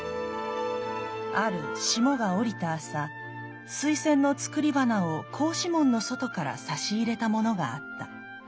「ある霜が降りた朝水仙の作り花を格子門の外からさし入れた者があった。